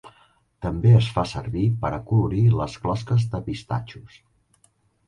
També es fa servir per acolorir les closques de pistatxos.